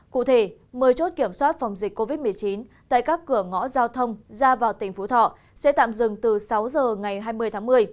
cụ thể một mươi chốt kiểm soát phòng dịch covid một mươi chín tại các cửa ngõ giao thông ra vào tỉnh phú thọ sẽ tạm dừng từ sáu giờ ngày hai mươi tháng một mươi